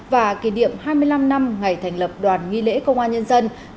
và kỷ niệm hai mươi năm năm ngày thành lập đoàn nghi lễ công an nhân dân